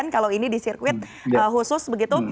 kalau ini di sirkuit khusus begitu